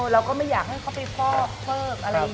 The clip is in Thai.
เราก็ไม่อยากให้เขาไปเพอบอะไรเยอะ